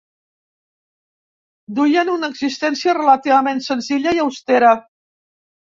Duien una existència relativament senzilla i austera.